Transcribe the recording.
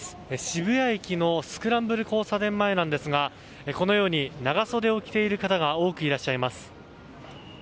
渋谷駅のスクランブル交差点前ですがこのように長袖を着ている方が多くいらっしゃいます。